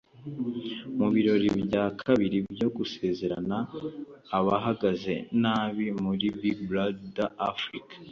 Mu birori bya kabiri byo gusezerera abahagaze nabi muri Big Brother Africa